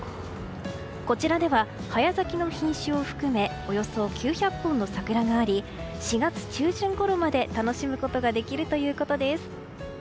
こちらでは早咲きの品種を含めおよそ９００本の桜があり４月中旬ごろまで楽しむことができるということです。